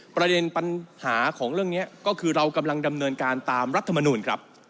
ประเด็นปัญหาของเรื่องนี้ก็คือเรากำลังดำเนินการตามรัฐมนูลครับ